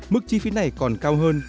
mức chi phí này còn cao hơn